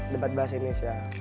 debat bahasa indonesia